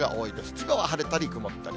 千葉は晴れたり曇ったり。